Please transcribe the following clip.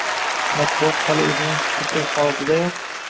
matbuot hali o‘zining kurtak holatidayoq